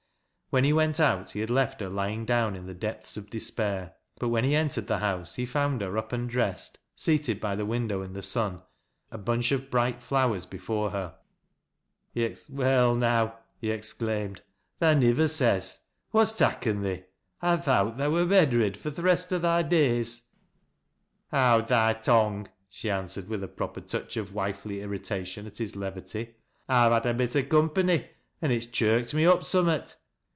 When he went out, he had left her lying down in the depths of despair, but when he entered the house, he found her up and dressed, seated by the window in the sun, a bunch of bright flowers before her. " Well now !" he exclaimed. " Tha nivver says ! What's takken thee ? I thowt tha wur bedrid fur th' rest o' thy days." " Howd thy tongue," she answered with a proper touch of wifely irritation at his levity. " I've had a bit o' com pany an' it's chirked me up summat.